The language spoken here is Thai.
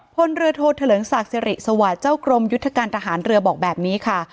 พลเรือโทษเถลิงศักดิ์สิริสวัสดิ์เจ้ากรมยุทธการทหารเรือบอกแบบนี้ค่ะ